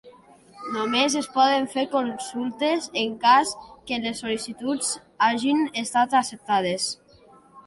Només es poden fer consultes en cas que les sol·licituds hagin estat acceptades.